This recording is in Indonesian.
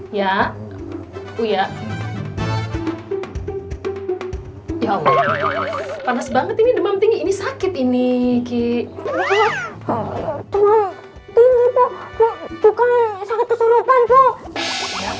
uya ya allah panas banget ini demam tinggi ini sakit ini ki tinggi tuh juga sangat keserupan